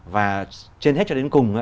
và trên hết cho đến cùng